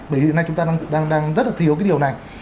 bởi hiện nay chúng ta đang rất là thiếu cái điều này